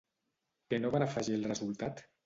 Què no van afegir al resultat?